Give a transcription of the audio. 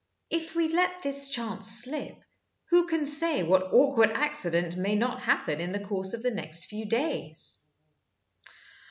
If we let this chance slip, who can say what awkward accident may not happen in the course of the next few days?"